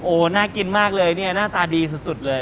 โอ้โหน่ากินมากเลยเนี่ยหน้าตาดีสุดเลย